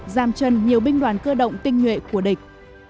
giam chân nhiều binh đoàn cơ động tinh nhuệ của địch